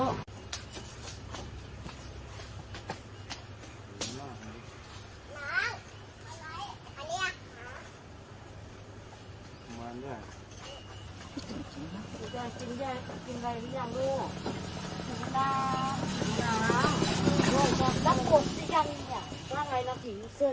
โดนสำรวจไฟมันจากภัยและเชิญสาธุ